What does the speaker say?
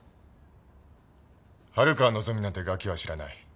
春川望なんてガキは知らない。